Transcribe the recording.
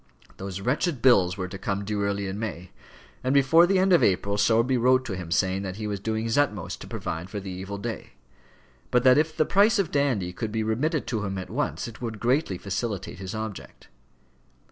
Those wretched bills were to come due early in May, and before the end of April Sowerby wrote to him saying that he was doing his utmost to provide for the evil day; but that if the price of Dandy could be remitted to him at once, it would greatly facilitate his object.